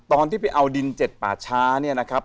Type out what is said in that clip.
ตอนที่ไปเอาดินเจ็ดป่าช้าเนี่ยนะครับ